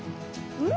うん！